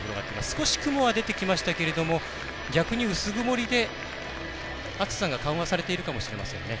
少し雲は出てきましたけれども逆に薄曇りで暑さが緩和されているかもしれませんね。